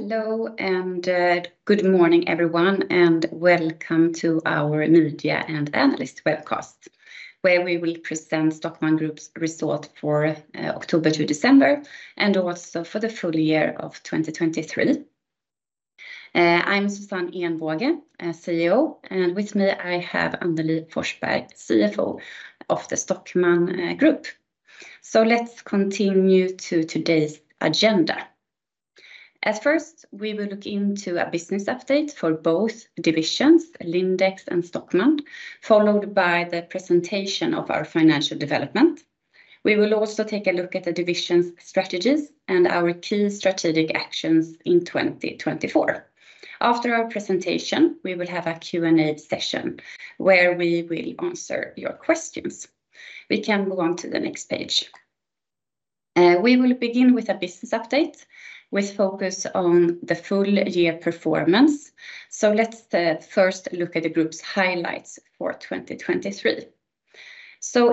Hello and good morning everyone, and welcome to our Media and Analyst webcast, where we will present Stockmann Group's result for October to December and also for the full year of 2023. I'm Susanne Ehnbåge, CEO, and with me I have Annelie Forsberg, CFO of the Stockmann Group. Let's continue to today's agenda. At first, we will look into a business update for both divisions, Lindex and Stockmann, followed by the presentation of our financial development. We will also take a look at the division's strategies and our key strategic actions in 2024. After our presentation, we will have a Q&A session where we will answer your questions. We can move on to the next page. We will begin with a business update with focus on the full year performance, so let's first look at the group's highlights for 2023.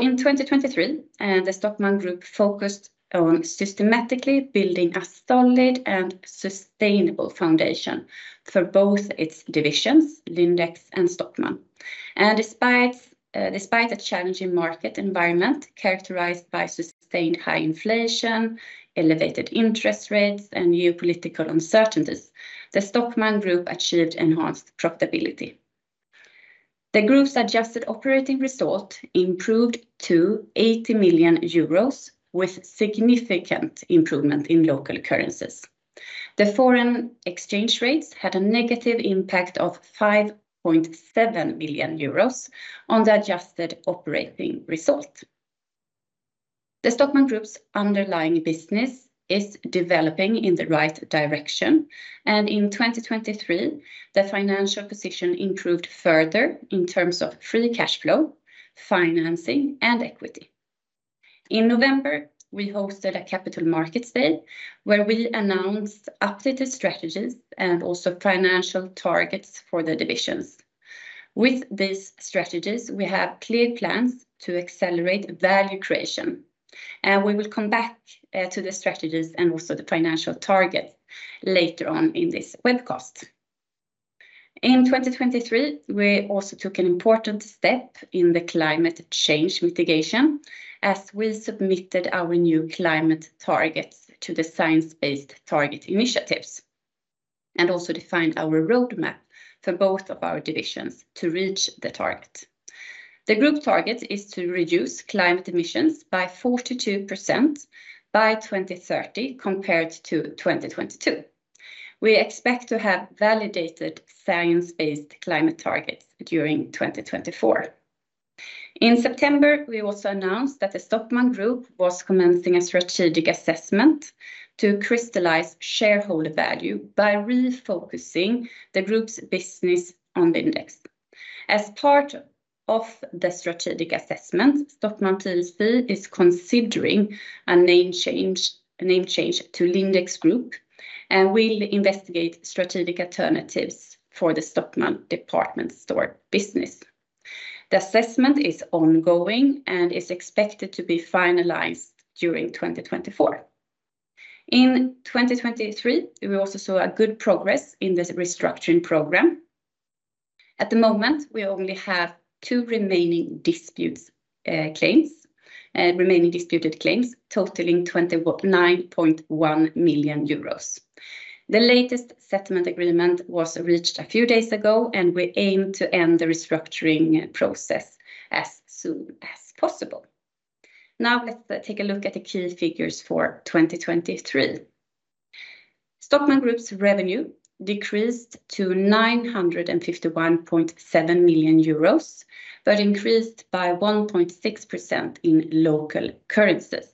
In 2023, the Stockmann Group focused on systematically building a solid and sustainable foundation for both its divisions, Lindex and Stockmann. Despite a challenging market environment characterized by sustained high inflation, elevated interest rates, and geopolitical uncertainties, the Stockmann Group achieved enhanced profitability. The group's adjusted operating result improved to 80 million euros, with significant improvement in local currencies. The foreign exchange rates had a negative impact of 5.7 million euros on the adjusted operating result. The Stockmann Group's underlying business is developing in the right direction, and in 2023, the financial position improved further in terms of free cash flow, financing, and equity. In November, we hosted a Capital Markets Day where we announced updated strategies and also financial targets for the divisions. With these strategies, we have clear plans to accelerate value creation, and we will come back to the strategies and also the financial targets later on in this webcast. In 2023, we also took an important step in the climate change mitigation as we submitted our new climate targets to the Science Based Targets initiative, and also defined our roadmap for both of our divisions to reach the target. The group target is to reduce climate emissions by 42% by 2030 compared to 2022. We expect to have validated science-based climate targets during 2024. In September, we also announced that the Stockmann Group was commencing a strategic assessment to crystallize shareholder value by refocusing the group's business on Lindex. As part of the strategic assessment, Stockmann plc is considering a name change to Lindex Group and will investigate strategic alternatives for the Stockmann department store business. The assessment is ongoing and is expected to be finalized during 2024. In 2023, we also saw good progress in the restructuring program. At the moment, we only have two remaining disputed claims totaling 29.1 million euros. The latest settlement agreement was reached a few days ago, and we aim to end the restructuring process as soon as possible. Now let's take a look at the key figures for 2023. Stockmann Group's revenue decreased to 951.7 million euros, but increased by 1.6% in local currencies.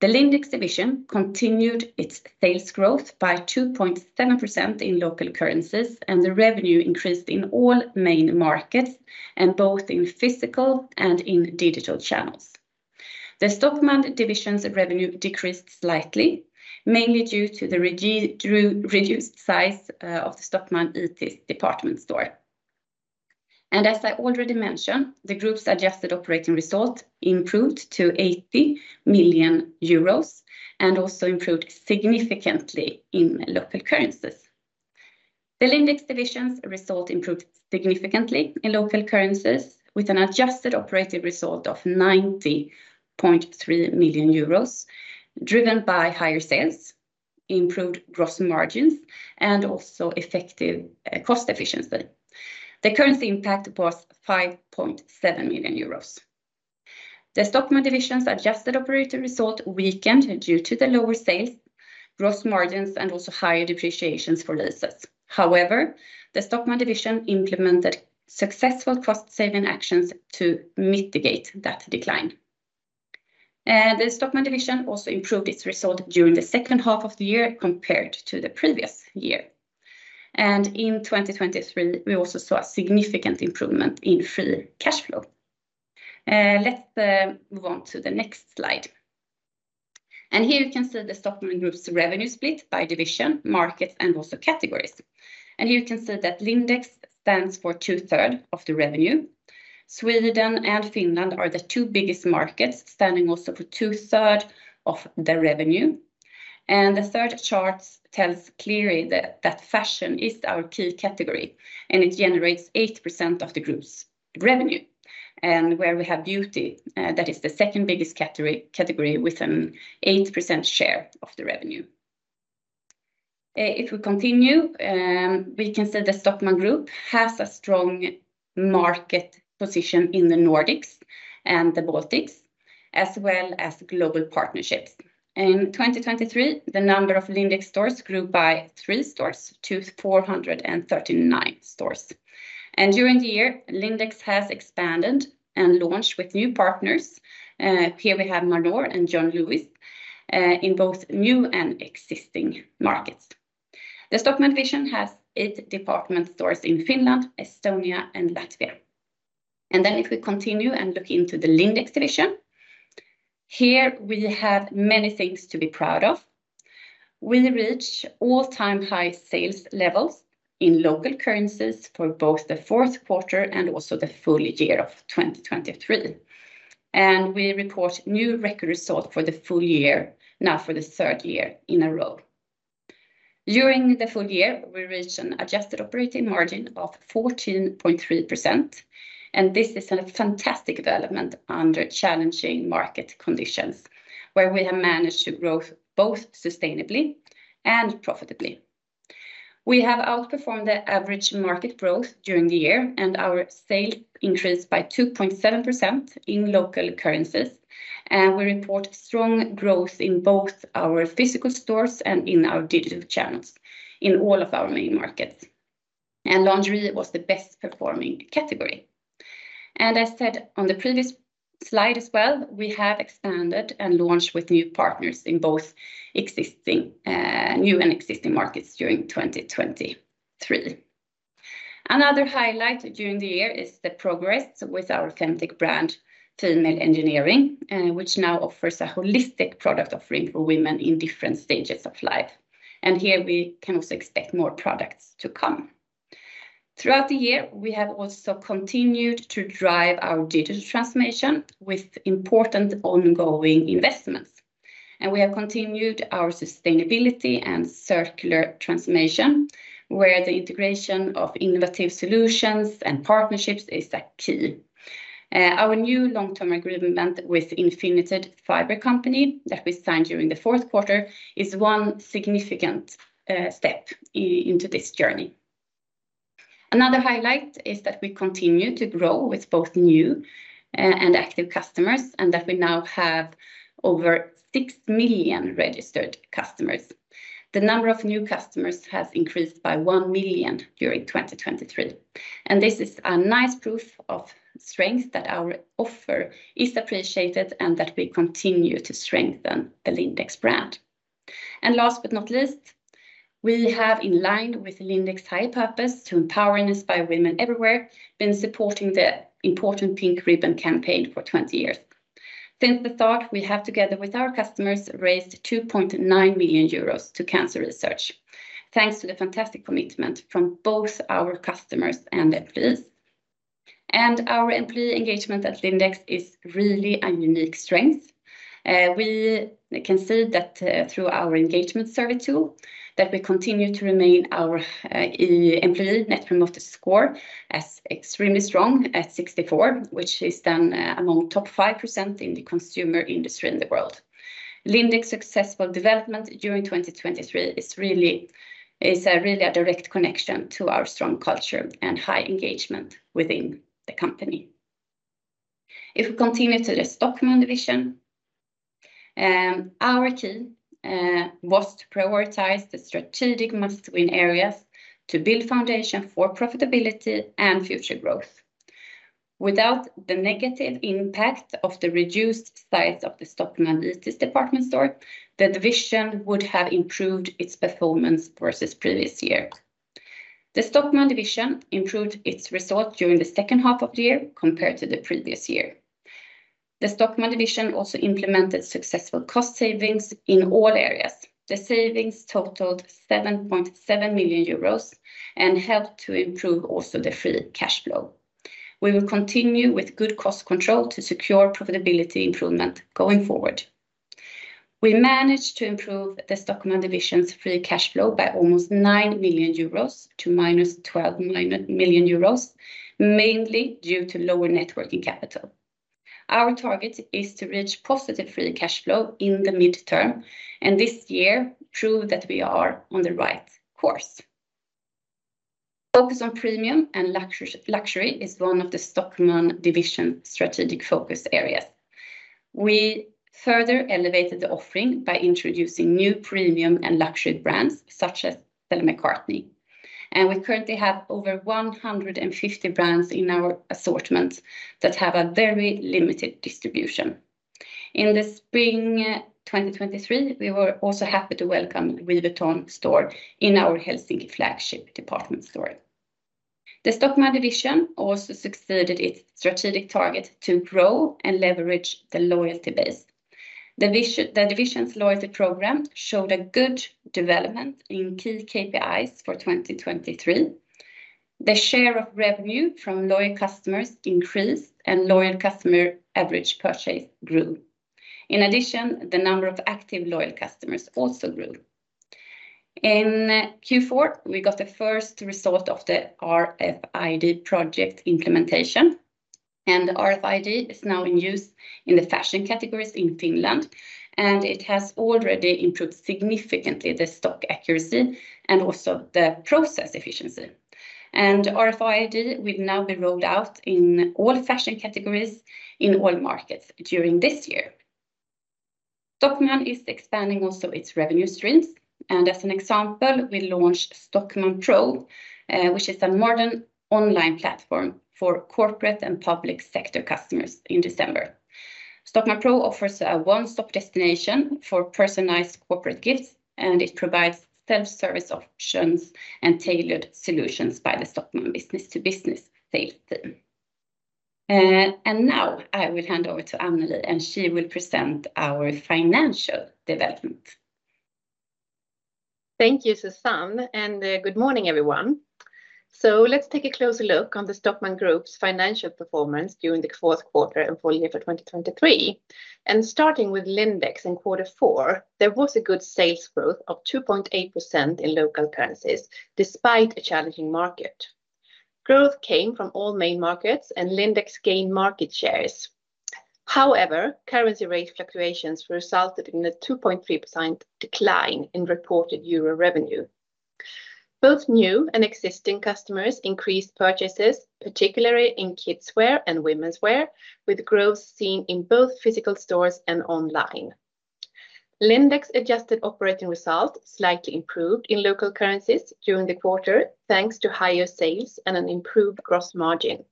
The Lindex division continued its sales growth by 2.7% in local currencies, and the revenue increased in all main markets, both in physical and in digital channels. The Stockmann division's revenue decreased slightly, mainly due to the reduced size of the Stockmann Itis department store. As I already mentioned, the group's adjusted operating result improved to 80 million euros and also improved significantly in local currencies. The Lindex division's result improved significantly in local currencies, with an adjusted operating result of 90.3 million euros, driven by higher sales, improved gross margins, and also effective cost efficiency. The currency impact was 5.7 million euros. The Stockmann division's adjusted operating result weakened due to the lower sales, gross margins, and also higher depreciations for leases. However, the Stockmann division implemented successful cost-saving actions to mitigate that decline. The Stockmann division also improved its result during the second half of the year compared to the previous year. In 2023, we also saw a significant improvement in free cash flow. Let's move on to the next slide. Here you can see the Stockmann Group's revenue split by division, markets, and also categories. Here you can see that Lindex stands for two-thirds of the revenue. Sweden and Finland are the two biggest markets, standing also for two-thirds of the revenue. The third chart tells clearly that fashion is our key category, and it generates 8% of the group's revenue. Where we have beauty, that is the second biggest category, with an 8% share of the revenue. If we continue, we can see the Stockmann Group has a strong market position in the Nordics and the Baltics, as well as global partnerships. In 2023, the number of Lindex stores grew by three stores, to 439 stores. During the year, Lindex has expanded and launched with new partners. Here we have Manor and John Lewis in both new and existing markets. The Stockmann division has eight department stores in Finland, Estonia, and Latvia. Then if we continue and look into the Lindex division, here we have many things to be proud of. We reached all-time high sales levels in local currencies for both the Q4 and also the full year of 2023. We report new record results for the full year, now for the third year in a row. During the full year, we reached an adjusted operating margin of 14.3%, and this is a fantastic development under challenging market conditions, where we have managed to grow both sustainably and profitably. We have outperformed the average market growth during the year, and our sales increased by 2.7% in local currencies. We report strong growth in both our physical stores and in our digital channels, in all of our main markets. Lingerie was the best-performing category. As said on the previous slide as well, we have expanded and launched with new partners in both new and existing markets during 2023. Another highlight during the year is the progress with our authentic brand, Female Engineering, which now offers a holistic product offering for women in different stages of life. Here we can also expect more products to come. Throughout the year, we have also continued to drive our digital transformation with important ongoing investments. We have continued our sustainability and circular transformation, where the integration of innovative solutions and partnerships is key. Our new long-term agreement with Infinited Fiber Company that we signed during the Q4 is one significant step into this journey. Another highlight is that we continue to grow with both new and active customers, and that we now have over 6 million registered customers. The number of new customers has increased by 1 million during 2023. This is a nice proof of strength that our offer is appreciated and that we continue to strengthen the Lindex brand. Last but not least, we have, in line with Lindex's high purpose to empower and inspire women everywhere, been supporting the important Pink Ribbon campaign for 20 years. Since the start, we have, together with our customers, raised 2.9 million euros to cancer research, thanks to the fantastic commitment from both our customers and employees. Our employee engagement at Lindex is really a unique strength. We can see that through our engagement survey tool, that we continue to remain our employee Net Promoter Score as extremely strong at 64, which is then among top 5% in the consumer industry in the world. Lindex's successful development during 2023 is really a direct connection to our strong culture and high engagement within the company. If we continue to the Stockmann division, our key was to prioritize the strategic must-win areas to build foundation for profitability and future growth. Without the negative impact of the reduced size of the Stockmann Itis department store, the division would have improved its performance versus previous year. The Stockmann division improved its result during the second half of the year compared to the previous year. The Stockmann division also implemented successful cost savings in all areas. The savings totaled 7.7 million euros and helped to improve also the free cash flow. We will continue with good cost control to secure profitability improvement going forward. We managed to improve the Stockmann division's free cash flow by almost 9 million euros to minus 12 million euros, mainly due to lower net working capital. Our target is to reach positive free cash flow in the mid-term, and this year proved that we are on the right course. Focus on premium and luxury is one of the Stockmann division's strategic focus areas. We further elevated the offering by introducing new premium and luxury brands, such as Stella McCartney. We currently have over 150 brands in our assortment that have a very limited distribution. In the spring 2023, we were also happy to welcome Riviera Maison in our Helsinki flagship department store. The Stockmann division also succeeded its strategic target to grow and leverage the loyalty base. The division's loyalty program showed a good development in key KPIs for 2023. The share of revenue from loyal customers increased, and loyal customer average purchase grew. In addition, the number of active loyal customers also grew. In Q4, we got the first result of the RFID project implementation. RFID is now in use in the fashion categories in Finland. It has already improved significantly the stock accuracy and also the process efficiency. RFID will now be rolled out in all fashion categories in all markets during this year. Stockmann is expanding also its revenue streams. As an example, we launched Stockmann Pro, which is a modern online platform for corporate and public sector customers in December. Stockmann Pro offers a one-stop destination for personalized corporate gifts, and it provides self-service options and tailored solutions by the Stockmann business-to-business sales team. Now I will hand over to Annelie, and she will present our financial development. Thank you, Susanne, and good morning, everyone. So let's take a closer look on the Stockmann Group's financial performance during the Q4 and full year for 2023. Starting with Lindex in Q4, there was a good sales growth of 2.8% in local currencies, despite a challenging market. Growth came from all main markets, and Lindex gained market shares. However, currency rate fluctuations resulted in a 2.3% decline in reported euro revenue. Both new and existing customers increased purchases, particularly in kids' wear and women's wear, with growth seen in both physical stores and online. Lindex's adjusted operating result slightly improved in local currencies during the quarter, thanks to higher sales and an improved gross margin.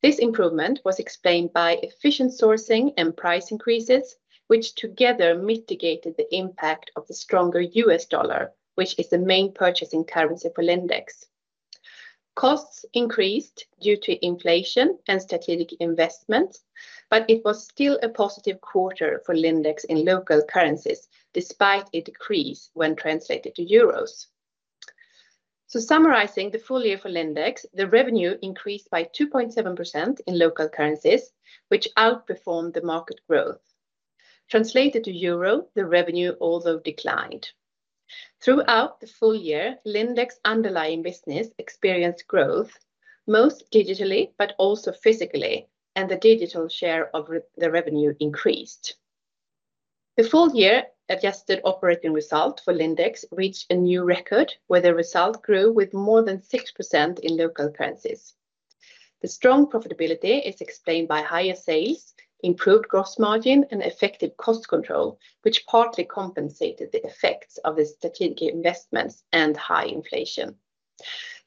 This improvement was explained by efficient sourcing and price increases, which together mitigated the impact of the stronger US dollar, which is the main purchasing currency for Lindex. Costs increased due to inflation and strategic investments, but it was still a positive quarter for Lindex in local currencies, despite a decrease when translated to euros. Summarizing the full year for Lindex, the revenue increased by 2.7% in local currencies, which outperformed the market growth. Translated to euro, the revenue although declined. Throughout the full year, Lindex's underlying business experienced growth, most digitally but also physically, and the digital share of the revenue increased. The full year adjusted operating result for Lindex reached a new record, where the result grew with more than 6% in local currencies. The strong profitability is explained by higher sales, improved gross margin, and effective cost control, which partly compensated the effects of the strategic investments and high inflation.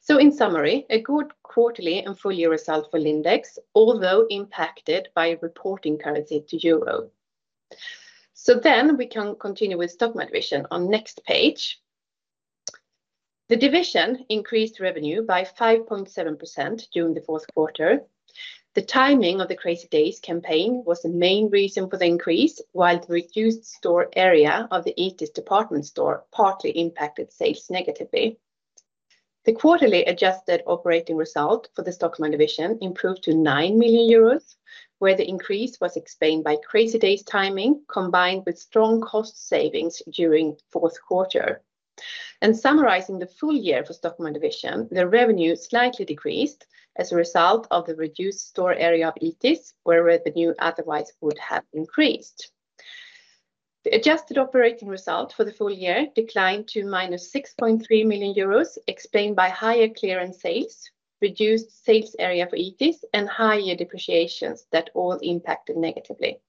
In summary, a good quarterly and full year result for Lindex, although impacted by reporting currency to euro. We can continue with Stockmann division on next page. The division increased revenue by 5.7% during the Q4. The timing of the Crazy Days campaign was the main reason for the increase, while the reduced store area of the Itis department store partly impacted sales negatively. The quarterly adjusted operating result for the Stockmann division improved to 9 million euros, where the increase was explained by Crazy Days timing combined with strong cost savings during Q4. Summarizing the full year for Stockmann division, the revenue slightly decreased as a result of the reduced store area of Itis, where revenue otherwise would have increased. The adjusted operating result for the full year declined to -6.3 million euros, explained by higher clearance sales, reduced sales area for Itis, and higher depreciations that all impacted negatively.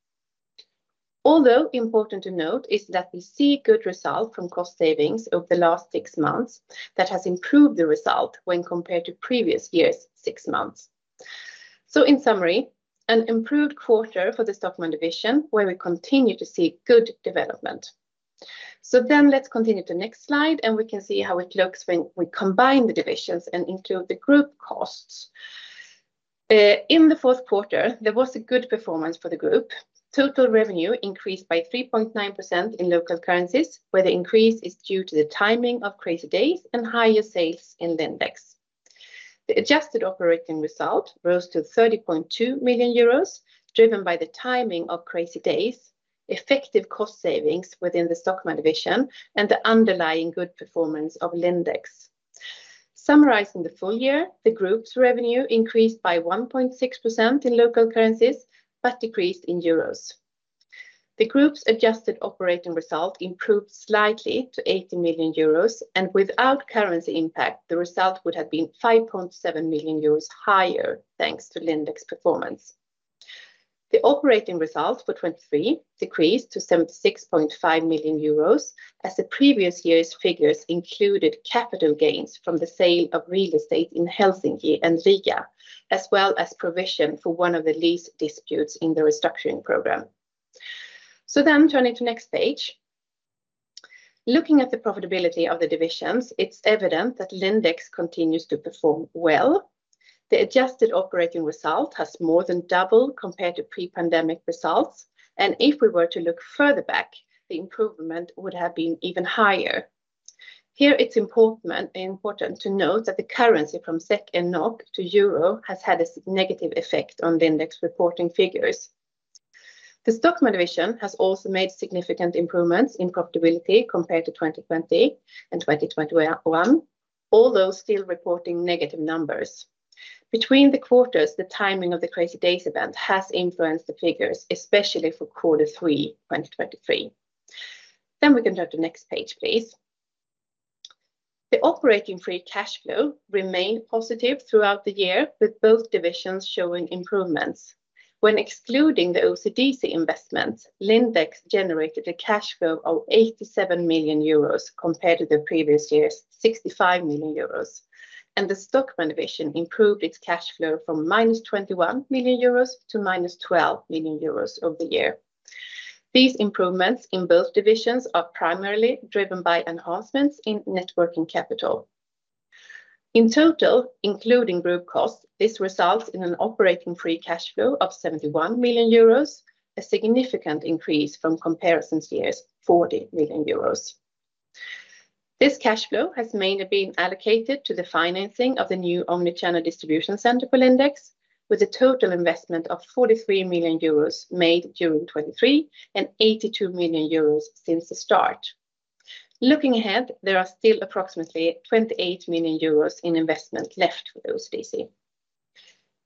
Although important to note is that we see good result from cost savings over the last six months that has improved the result when compared to previous year's six months. So in summary, an improved quarter for the Stockmann division, where we continue to see good development. So then let's continue to next slide, and we can see how it looks when we combine the divisions and include the group costs. In the Q4, there was a good performance for the group. Total revenue increased by 3.9% in local currencies, where the increase is due to the timing of Crazy Days and higher sales in Lindex. The adjusted operating result rose to 30.2 million euros, driven by the timing of Crazy Days, effective cost savings within the Stockmann division, and the underlying good performance of Lindex. Summarizing the full year, the group's revenue increased by 1.6% in local currencies, but decreased in euros. The group's adjusted operating result improved slightly to 80 million euros, and without currency impact, the result would have been 5.7 million euros higher, thanks to Lindex performance. The operating result for 2023 decreased to 76.5 million euros, as the previous year's figures included capital gains from the sale of real estate in Helsinki and Riga, as well as provision for one of the lease disputes in the restructuring program. So then turning to next page. Looking at the profitability of the divisions, it's evident that Lindex continues to perform well. The adjusted operating result has more than doubled compared to pre-pandemic results. If we were to look further back, the improvement would have been even higher. Here, it's important to note that the currency from SEK and NOK to euro has had a negative effect on Lindex reporting figures. The Stockmann division has also made significant improvements in profitability compared to 2020 and 2021, although still reporting negative numbers. Between the quarters, the timing of the Crazy Days event has influenced the figures, especially for quarter three 2023. Then we can turn to next page, please. The operating free cash flow remained positive throughout the year, with both divisions showing improvements. When excluding the OCDC investments, Lindex generated a cash flow of 87 million euros compared to the previous year's 65 million euros. The Stockmann division improved its cash flow from -21 million euros to -12 million euros over the year. These improvements in both divisions are primarily driven by enhancements in working capital. In total, including group costs, this results in an operating free cash flow of 71 million euros, a significant increase from the comparison year's 40 million euros. This cash flow has mainly been allocated to the financing of the new omnichannel distribution center for Lindex, with a total investment of 43 million euros made during 2023 and 82 million euros since the start. Looking ahead, there are still approximately 28 million euros in investment left for the OCDC.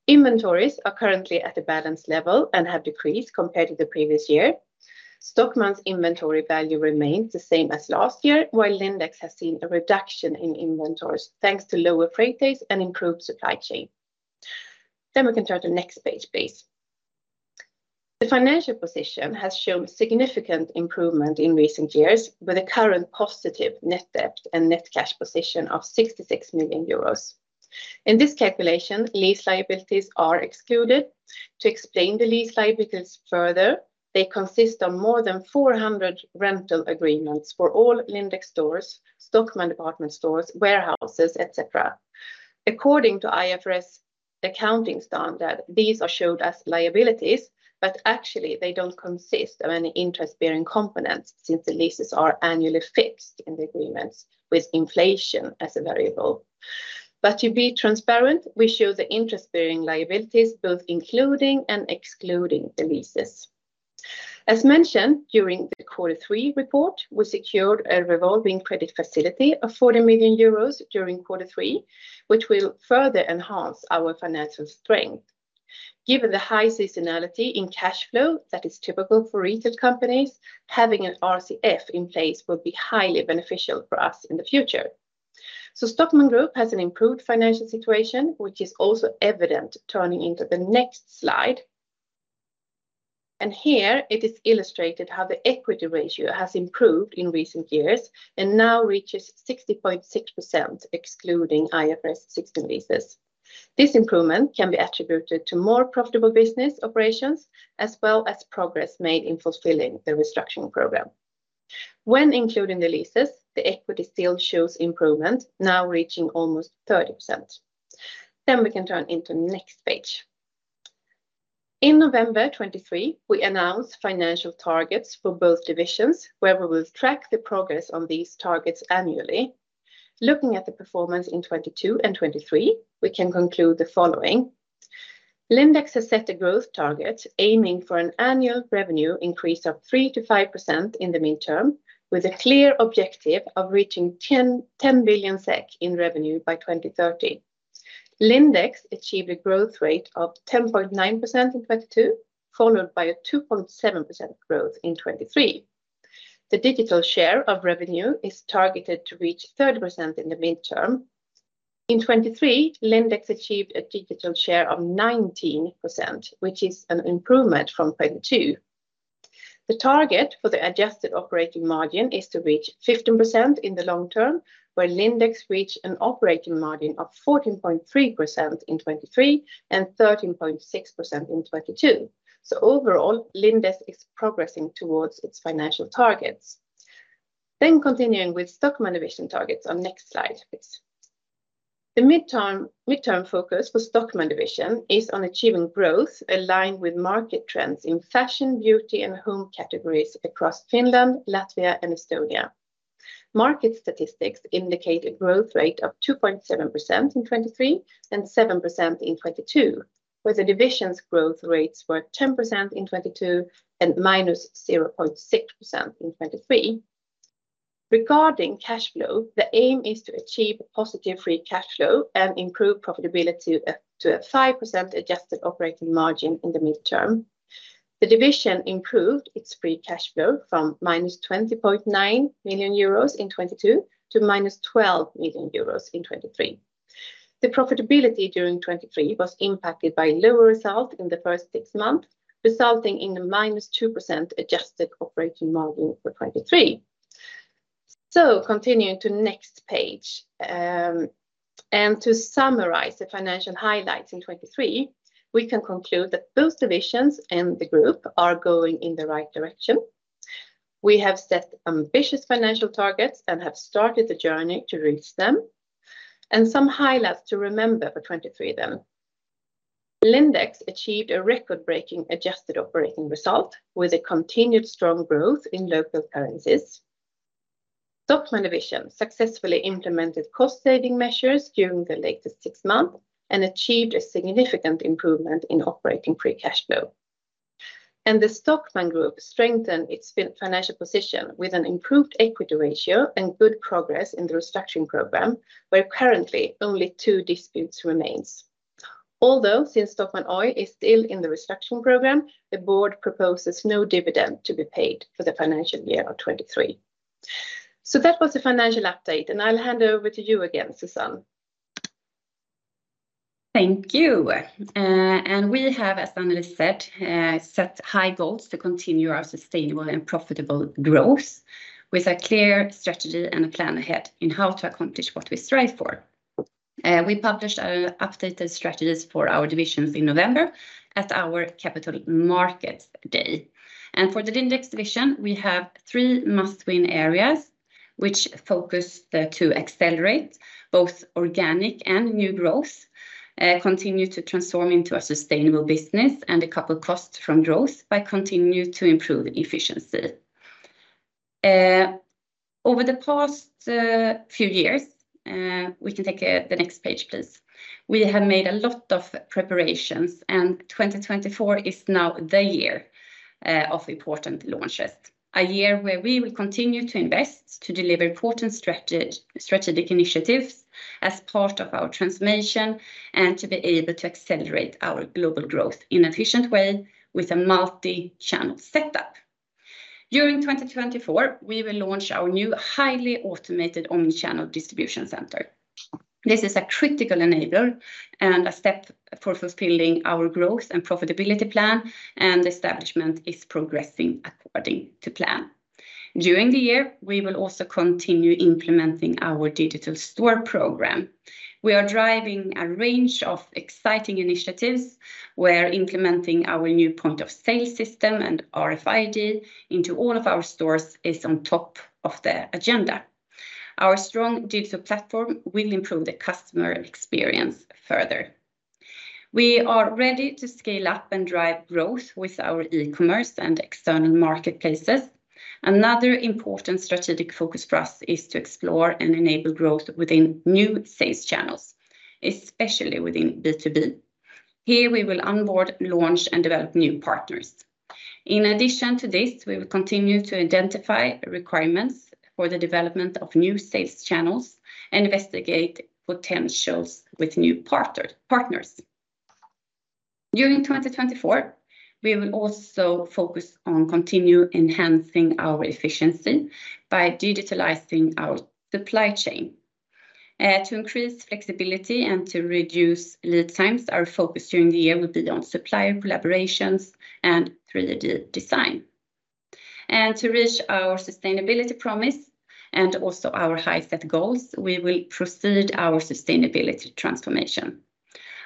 Inventories are currently at a balanced level and have decreased compared to the previous year. Stockmann's inventory value remained the same as last year, while Lindex has seen a reduction in inventories, thanks to lower freight days and improved supply chain. Then we can turn to next page, please. The financial position has shown significant improvement in recent years, with a current positive net debt and net cash position of 66 million euros. In this calculation, lease liabilities are excluded. To explain the lease liabilities further, they consist of more than 400 rental agreements for all Lindex stores, Stockmann department stores, warehouses, etc. According to IFRS accounting standard, these are shown as liabilities, but actually, they don't consist of any interest-bearing components since the leases are annually fixed in the agreements with inflation as a variable. But to be transparent, we show the interest-bearing liabilities, both including and excluding the leases. As mentioned during the Q3 report, we secured a revolving credit facility of 40 million euros during Q3, which will further enhance our financial strength. Given the high seasonality in cash flow that is typical for retail companies, having an RCF in place will be highly beneficial for us in the future. Stockmann Group has an improved financial situation, which is also evident turning into the next slide. Here, it is illustrated how the equity ratio has improved in recent years and now reaches 60.6% excluding IFRS 16 leases. This improvement can be attributed to more profitable business operations, as well as progress made in fulfilling the restructuring program. When including the leases, the equity still shows improvement, now reaching almost 30%. We can turn into next page. In November 2023, we announced financial targets for both divisions, where we will track the progress on these targets annually. Looking at the performance in 2022 and 2023, we can conclude the following. Lindex has set a growth target aiming for an annual revenue increase of 3%-5% in the midterm, with a clear objective of reaching 10 billion SEK in revenue by 2030. Lindex achieved a growth rate of 10.9% in 2022, followed by a 2.7% growth in 2023. The digital share of revenue is targeted to reach 30% in the midterm. In 2023, Lindex achieved a digital share of 19%, which is an improvement from 2022. The target for the adjusted operating margin is to reach 15% in the long term, where Lindex reached an operating margin of 14.3% in 2023 and 13.6% in 2022. So overall, Lindex is progressing towards its financial targets. Then continuing with Stockmann division targets on next slide, please. The midterm focus for Stockmann division is on achieving growth aligned with market trends in fashion, beauty, and home categories across Finland, Latvia, and Estonia. Market statistics indicate a growth rate of 2.7% in 2023 and 7% in 2022, where the division's growth rates were 10% in 2022 and -0.6% in 2023. Regarding cash flow, the aim is to achieve positive free cash flow and improve profitability to a 5% adjusted operating margin in the midterm. The division improved its free cash flow from -20.9 million euros in 2022 to -12 million euros in 2023. The profitability during 2023 was impacted by a lower result in the first six months, resulting in a -2% adjusted operating margin for 2023. Continuing to next page. To summarize the financial highlights in 2023, we can conclude that both divisions and the group are going in the right direction. We have set ambitious financial targets and have started the journey to reach them. Some highlights to remember for 2023 then. Lindex achieved a record-breaking adjusted operating result with a continued strong growth in local currencies. Stockmann division successfully implemented cost-saving measures during the latest six months and achieved a significant improvement in operating free cash flow. The Stockmann Group strengthened its financial position with an improved equity ratio and good progress in the restructuring program, where currently only two disputes remain. Although since Stockmann Oyj is still in the restructuring program, the board proposes no dividend to be paid for the financial year of 2023. That was the financial update, and I'll hand over to you again, Susanne. Thank you. We have, as Annelie said, set high goals to continue our sustainable and profitable growth with a clear strategy and a plan ahead in how to accomplish what we strive for. We published our updated strategies for our divisions in November at our Capital Markets Day. For the Lindex division, we have three must-win areas, which focus to accelerate both organic and new growth, continue to transform into a sustainable business, and decouple costs from growth by continuing to improve efficiency. Over the past few years. We can take the next page, please. We have made a lot of preparations, and 2024 is now the year of important launches. A year where we will continue to invest to deliver important strategic initiatives as part of our transformation and to be able to accelerate our global growth in an efficient way with a multi-channel setup. During 2024, we will launch our new highly automated omnichannel distribution center. This is a critical enabler and a step for fulfilling our growth and profitability plan, and the establishment is progressing according to plan. During the year, we will also continue implementing our digital store program. We are driving a range of exciting initiatives where implementing our new point of sale system and RFID into all of our stores is on top of the agenda. Our strong digital platform will improve the customer experience further. We are ready to scale up and drive growth with our e-commerce and external marketplaces. Another important strategic focus for us is to explore and enable growth within new sales channels, especially within B2B. Here, we will onboard, launch, and develop new partners. In addition to this, we will continue to identify requirements for the development of new sales channels and investigate potentials with new partners. During 2024, we will also focus on continuing to enhance our efficiency by digitalizing our supply chain. To increase flexibility and to reduce lead times, our focus during the year will be on supplier collaborations and 3D design. To reach our sustainability promise and also our high-set goals, we will proceed with our sustainability transformation.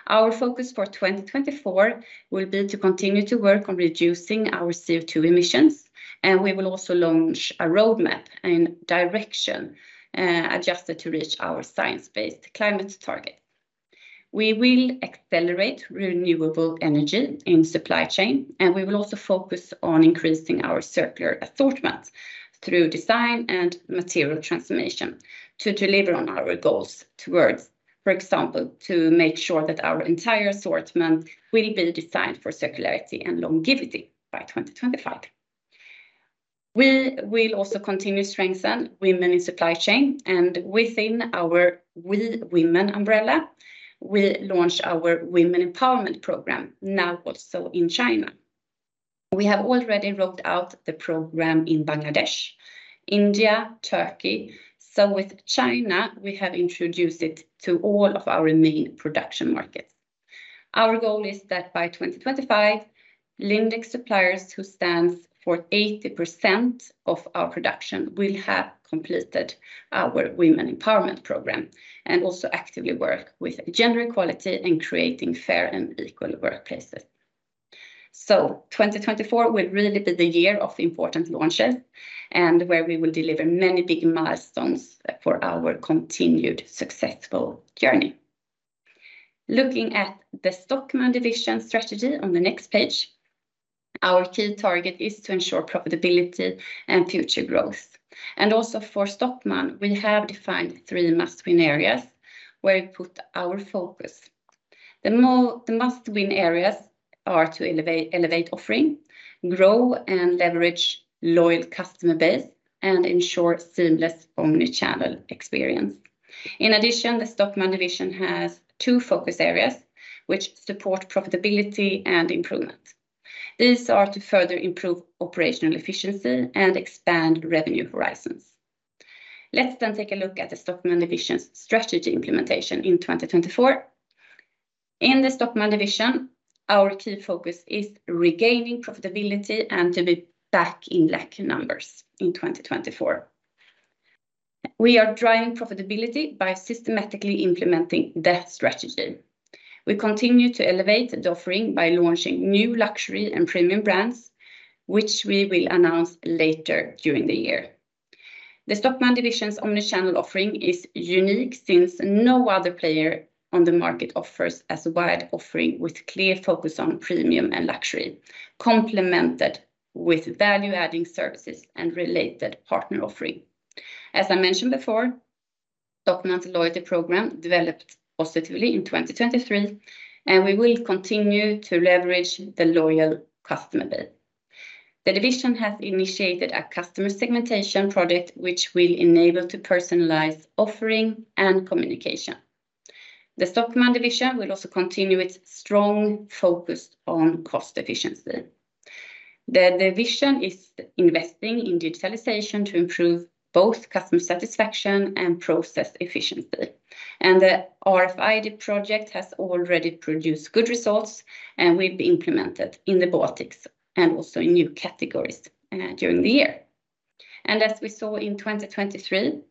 Our focus for 2024 will be to continue to work on reducing our CO2 emissions, and we will also launch a roadmap and direction adjusted to reach our science-based climate target. We will accelerate renewable energy in the supply chain, and we will also focus on increasing our circular assortment through design and material transformation to deliver on our goals towards, for example, to make sure that our entire assortment will be designed for circularity and longevity by 2025. We will also continue to strengthen women in the supply chain, and within our We Women umbrella, we launch our Women Empowerment program now also in China. We have already rolled out the program in Bangladesh, India, Turkey. So with China, we have introduced it to all of our main production markets. Our goal is that by 2025, Lindex suppliers, who stand for 80% of our production, will have completed our Women Empowerment program and also actively work with gender equality and creating fair and equal workplaces. So 2024 will really be the year of important launches and where we will deliver many big milestones for our continued successful journey. Looking at the Stockmann division strategy on the next page, our key target is to ensure profitability and future growth. Also for Stockmann, we have defined three must-win areas where we put our focus. The must-win areas are to elevate offering, grow and leverage a loyal customer base, and ensure a seamless omnichannel experience. In addition, the Stockmann division has two focus areas which support profitability and improvement. These are to further improve operational efficiency and expand revenue horizons. Let's then take a look at the Stockmann division's strategy implementation in 2024. In the Stockmann division, our key focus is regaining profitability and to be back in black numbers in 2024. We are driving profitability by systematically implementing the strategy. We continue to elevate the offering by launching new luxury and premium brands, which we will announce later during the year. The Stockmann division's omnichannel offering is unique since no other player on the market offers a wide offering with a clear focus on premium and luxury, complemented with value-adding services and related partner offering. As I mentioned before, the Stockmann's loyalty program developed positively in 2023, and we will continue to leverage the loyal customer base. The division has initiated a customer segmentation project which will enable us to personalize offering and communication. The Stockmann division will also continue its strong focus on cost efficiency. The division is investing in digitalization to improve both customer satisfaction and process efficiency. The RFID project has already produced good results, and will be implemented in the Baltics and also in new categories during the year. As we saw in 2023,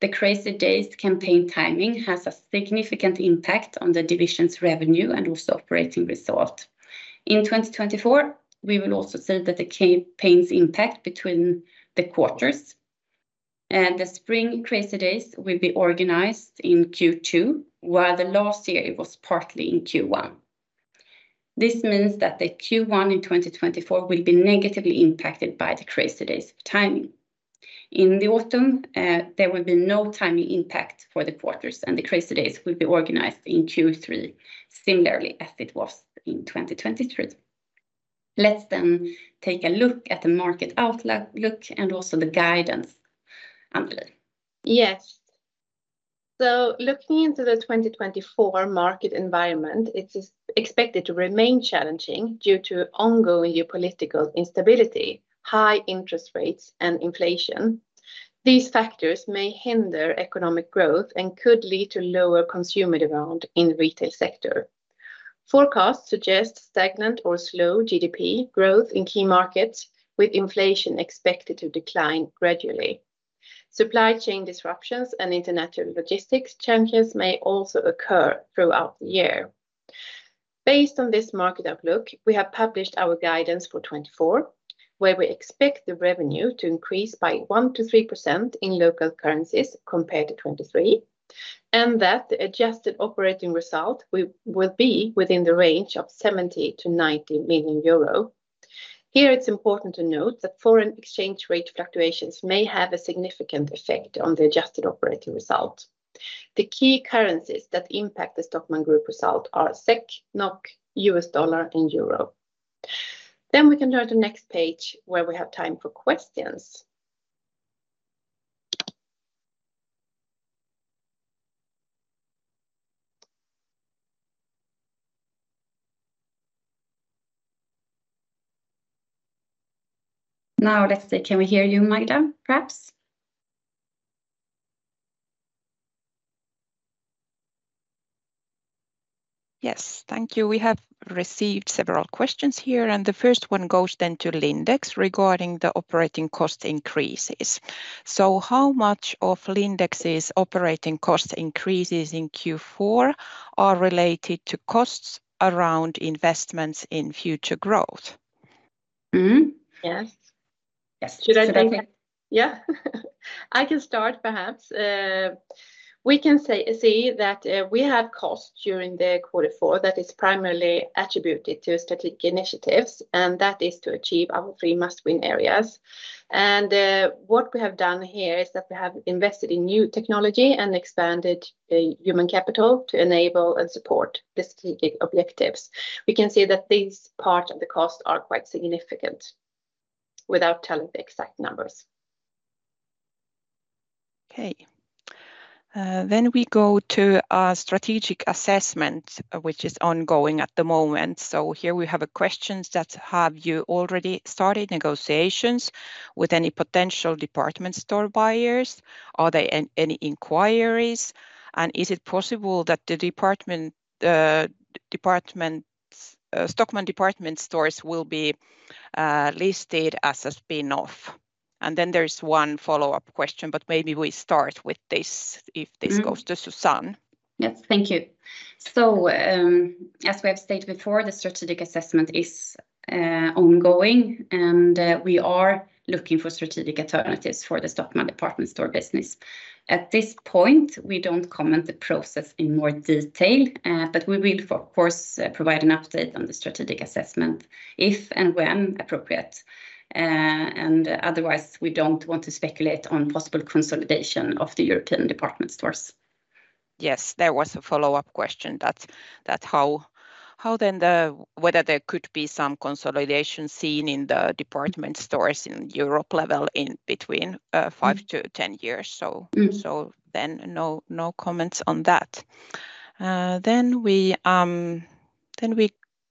the Crazy Days campaign timing has a significant impact on the division's revenue and also operating result. In 2024, we will also see that the campaign's impact between the quarters. The spring Crazy Days will be organized in Q2, while last year it was partly in Q1. This means that the Q1 in 2024 will be negatively impacted by the Crazy Days timing. In the autumn, there will be no timing impact for the quarters, and the Crazy Days will be organized in Q3 similarly as it was in 2023. Let's then take a look at the market outlook and also the guidance, Annelie. Yes. So looking into the 2024 market environment, it is expected to remain challenging due to ongoing geopolitical instability, high interest rates, and inflation. These factors may hinder economic growth and could lead to lower consumer demand in the retail sector. Forecasts suggest stagnant or slow GDP growth in key markets, with inflation expected to decline gradually. Supply chain disruptions and international logistics changes may also occur throughout the year. Based on this market outlook, we have published our guidance for 2024, where we expect the revenue to increase by 1%-3% in local currencies compared to 2023, and that the adjusted operating result will be within the range of 70 million-90 million euro. Here, it's important to note that foreign exchange rate fluctuations may have a significant effect on the adjusted operating result. The key currencies that impact the Stockmann Group result are SEK, NOK, US dollar, and euro. Then we can turn to the next page where we have time for questions. Now, let's see. Can we hear you, Magda, perhaps? Yes, thank you. We have received several questions here, and the first one goes then to Lindex regarding the operating cost increases. So how much of Lindex's operating cost increases in Q4 are related to costs around investments in future growth? Yes. Yes. Should I take, yeah? I can start, perhaps. We can see that we have costs during the quarter four that are primarily attributed to strategic initiatives, and that is to achieve our three must-win areas. And what we have done here is that we have invested in new technology and expanded human capital to enable and support the strategic objectives. We can see that these parts of the cost are quite significant, without telling the exact numbers. Okay. Then we go to our strategic assessment, which is ongoing at the moment. So here we have questions that: Have you already started negotiations with any potential department store buyers? Are there any inquiries? And is it possible that Stockmann department stores will be listed as a spin-off? And then there is one follow-up question, but maybe we start with this if this goes to Susanne. Yes, thank you. As we have stated before, the strategic assessment is ongoing, and we are looking for strategic alternatives for the Stockmann department store business. At this point, we don't comment the process in more detail, but we will, of course, provide an update on the strategic assessment if and when appropriate. Otherwise, we don't want to speculate on possible consolidation of the European department stores. Yes, there was a follow-up question. That's how then whether there could be some consolidation seen in the department stores in Europe level in between 5-10 years. So then no comments on that.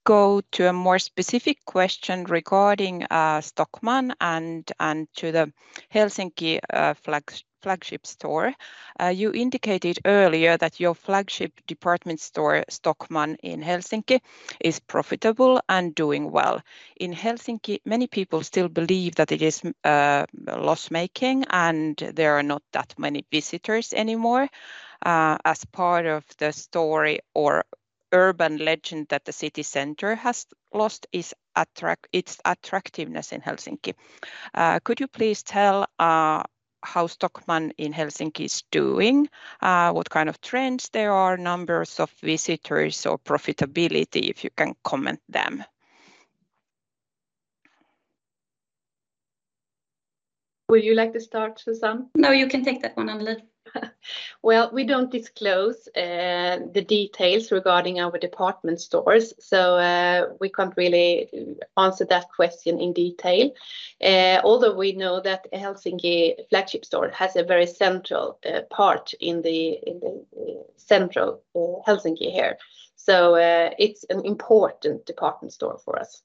Then we go to a more specific question regarding Stockmann and to the Helsinki flagship store. You indicated earlier that your flagship department store, Stockmann in Helsinki, is profitable and doing well. In Helsinki, many people still believe that it is loss-making, and there are not that many visitors anymore. As part of the story or urban legend that the city center has lost its attractiveness in Helsinki. Could you please tell how Stockmann in Helsinki is doing? What kind of trends there are? Numbers of visitors or profitability, if you can comment them. Would you like to start, Susanne? No, you can take that one, Annelie. Well, we don't disclose the details regarding our department stores, so we can't really answer that question in detail. Although we know that Helsinki flagship store has a very central part in the central Helsinki here. So it's an important department store for us.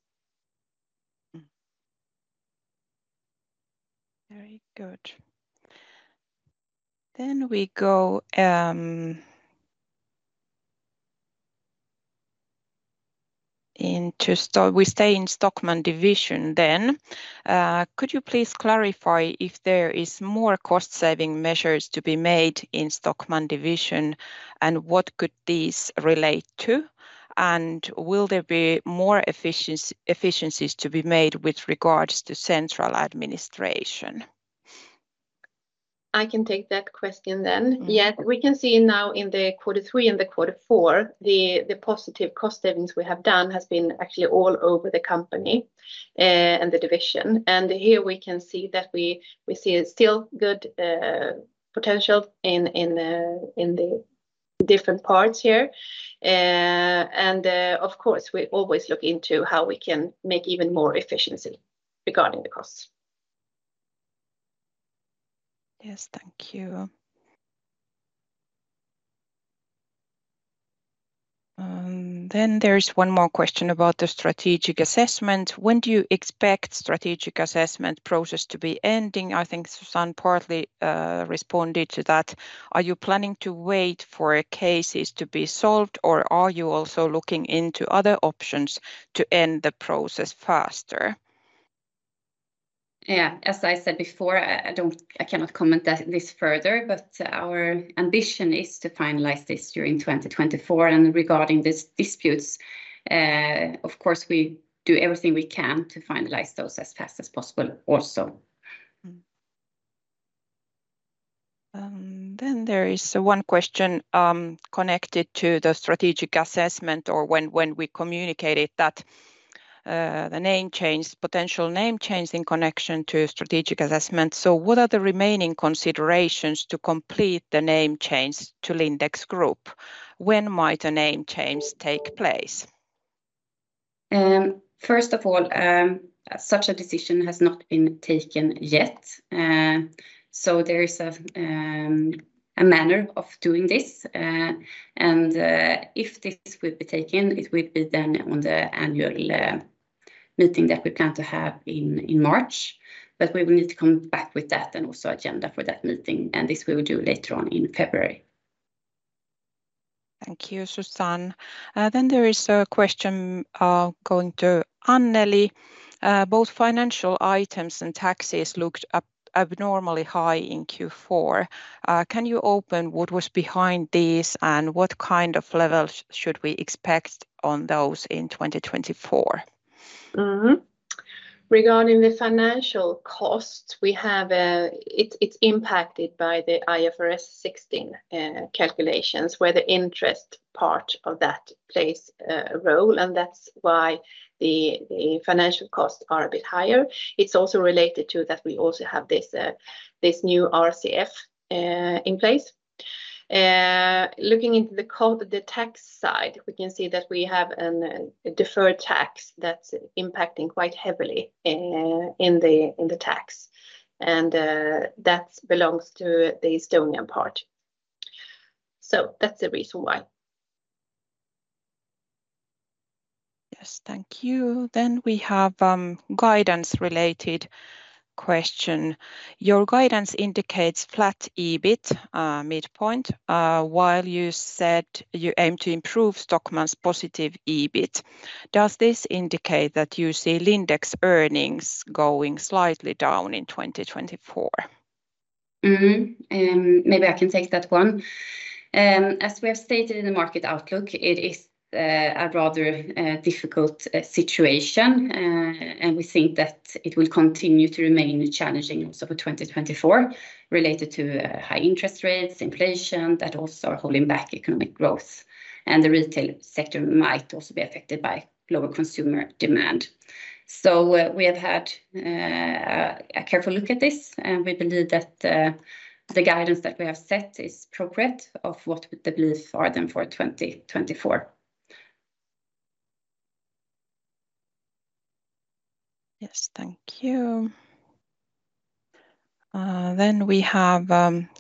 Very good. Then we stay in Stockmann division then. Could you please clarify if there are more cost-saving measures to be made in Stockmann division, and what could these relate to? And will there be more efficiencies to be made with regards to central administration? I can take that question then. Yes, we can see now in the Q3 and the Q4, the positive cost savings we have done have been actually all over the company and the division. And here we can see that we see still good potential in the different parts here. And of course, we always look into how we can make even more efficiency regarding the costs. Yes, thank you. And then there's one more question about the strategic assessment. When do you expect the strategic assessment process to be ending? I think Susanne partly responded to that. Are you planning to wait for cases to be solved, or are you also looking into other options to end the process faster? Yeah, as I said before, I cannot comment this further, but our ambition is to finalize this during 2024. Regarding these disputes, of course, we do everything we can to finalize those as fast as possible also. There is one question connected to the strategic assessment or when we communicated that the name change, potential name change in connection to the strategic assessment. What are the remaining considerations to complete the name change to Lindex Group? When might a name change take place? First of all, such a decision has not been taken yet. So there is a manner of doing this. And if this would be taken, it would be then on the annual meeting that we plan to have in March. But we will need to come back with that and also an agenda for that meeting. And this we will do later on in February. Thank you, Susanne. Then there is a question going to Annelie. Both financial items and taxes looked abnormally high in Q4. Can you open what was behind these, and what kind of levels should we expect on those in 2024? Regarding the financial costs, it's impacted by the IFRS 16 calculations, where the interest part of that plays a role. That's why the financial costs are a bit higher. It's also related to that we also have this new RCF in place. Looking into the tax side, we can see that we have a deferred tax that's impacting quite heavily in the tax. That belongs to the Estonian part. That's the reason why. Yes, thank you. Then we have a guidance-related question. Your guidance indicates flat EBIT midpoint, while you said you aim to improve Stockmann's positive EBIT. Does this indicate that you see Lindex earnings going slightly down in 2024? Maybe I can take that one. As we have stated in the market outlook, it is a rather difficult situation. We think that it will continue to remain challenging also for 2024, related to high interest rates, inflation that also are holding back economic growth. The retail sector might also be affected by lower consumer demand. We have had a careful look at this. We believe that the guidance that we have set is appropriate of what the beliefs are then for 2024. Yes, thank you. Then we have: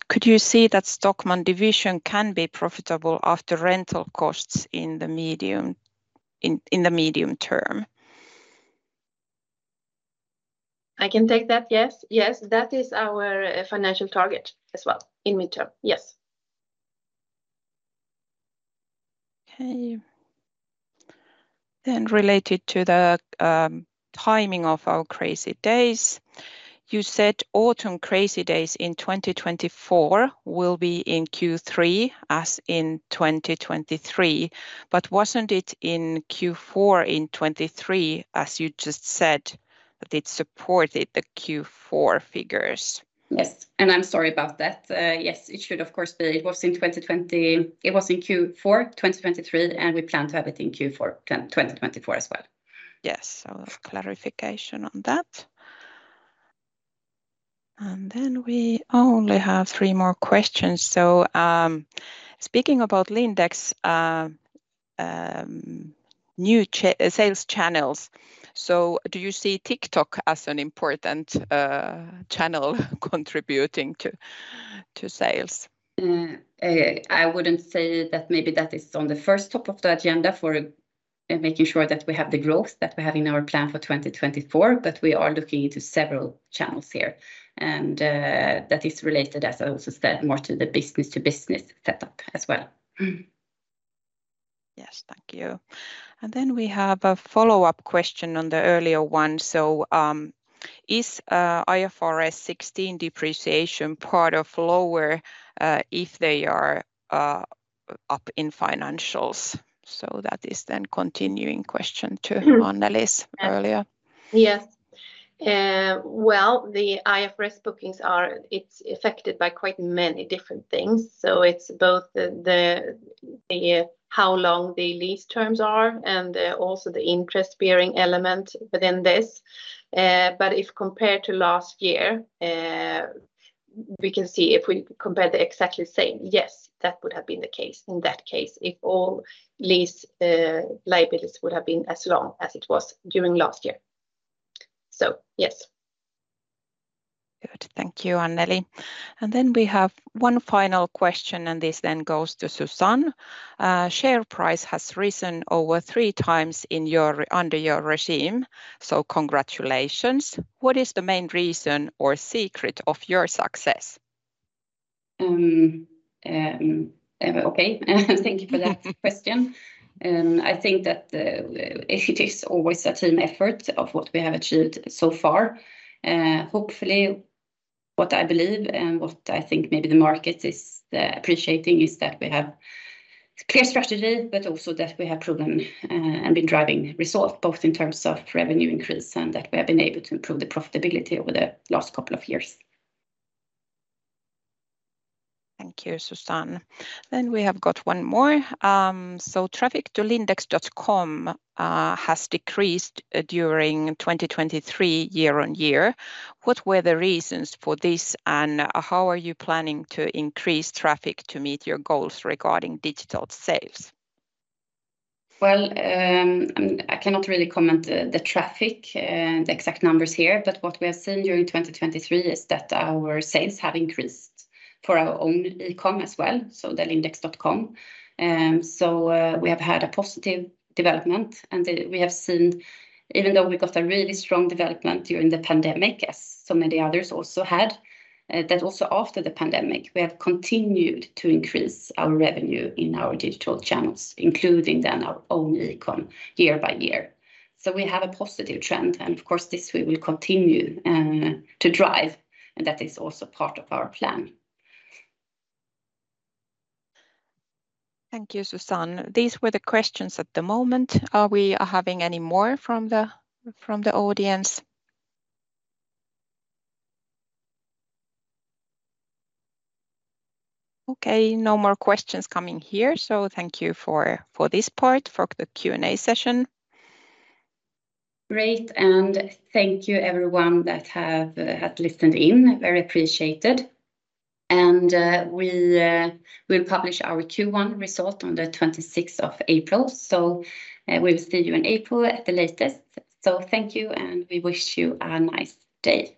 Could you see that Stockmann division can be profitable after rental costs in the medium term? I can take that, yes. Yes, that is our financial target as well in midterm, yes. Okay. Then related to the timing of our Crazy Days, you said autumn Crazy Days in 2024 will be in Q3 as in 2023. But wasn't it in Q4 in 2023, as you just said, that it supported the Q4 figures? Yes. I'm sorry about that. Yes, it should, of course, be. It was in 2020. It was in Q4 2023, and we plan to have it in Q4 2024 as well. Yes, so clarification on that. And then we only have three more questions. So speaking about Lindex's new sales channels, so do you see TikTok as an important channel contributing to sales? I wouldn't say that maybe that is on the first top of the agenda for making sure that we have the growth that we have in our plan for 2024, but we are looking into several channels here. And that is related, as I also said, more to the business-to-business setup as well. Yes, thank you. Then we have a follow-up question on the earlier one. Is IFRS 16 depreciation part of lower if they are up in financials? That is a continuing question to Annelie's earlier. Yes. Well, the IFRS bookings, it's affected by quite many different things. So it's both how long the lease terms are and also the interest-bearing element within this. But if compared to last year, we can see if we compare the exactly same, yes, that would have been the case in that case if all lease liabilities would have been as long as it was during last year. So yes. Good. Thank you, Annelie. And then we have one final question, and this then goes to Susanne. Share price has risen over three times under your regime. So congratulations. What is the main reason or secret of your success? Okay. Thank you for that question. I think that it is always a team effort of what we have achieved so far. Hopefully, what I believe and what I think maybe the market is appreciating is that we have a clear strategy, but also that we have proven and been driving results both in terms of revenue increase and that we have been able to improve the profitability over the last couple of years. Thank you, Susanne. Then we have got one more. So traffic to Lindex.com has decreased during 2023 year-on-year. What were the reasons for this, and how are you planning to increase traffic to meet your goals regarding digital sales? Well, I cannot really comment the traffic, the exact numbers here, but what we have seen during 2023 is that our sales have increased for our own e-com as well, so the Lindex.com. We have had a positive development. We have seen, even though we got a really strong development during the pandemic, as so many others also had, that also after the pandemic, we have continued to increase our revenue in our digital channels, including then our own e-com year by year. We have a positive trend. Of course, this we will continue to drive. That is also part of our plan. Thank you, Susanne. These were the questions at the moment. Are we having any more from the audience? Okay, no more questions coming here. So thank you for this part, for the Q&A session. Great. Thank you, everyone, that have listened in. Very appreciated. We will publish our Q1 result on the 26th of April. We will see you in April at the latest. Thank you, and we wish you a nice day.